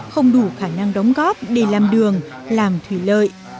không đủ khả năng đóng góp để làm đường làm thủy lợi